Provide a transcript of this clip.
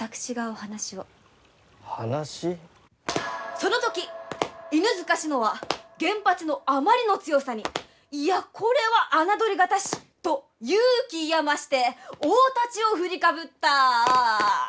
その時犬塚信乃は現八のあまりの強さに「いやこれは侮りがたし」と勇気いや増して大太刀を振りかぶった。